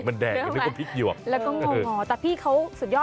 สีแดงด้วย